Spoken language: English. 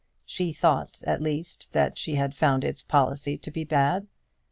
She thought, at least, that she had found its policy to be bad.